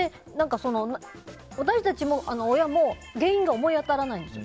私たち親も原因が思い当たらないんですよ。